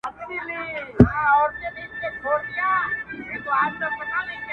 چا ویل دا چي، ژوندون آسان دی,